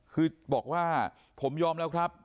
คือบอกว่าผมยอมแล้วครับ